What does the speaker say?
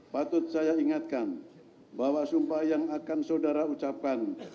patut saya ingatkan bahwa sumpah yang akan saudara ucapkan